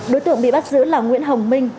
đối tượng bị bắt giữ là nguyễn hồng minh